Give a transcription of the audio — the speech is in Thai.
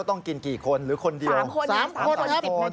ต้องกินกี่คนหรือคนเดียวสามคนสามคนครับสามคนสิบนาที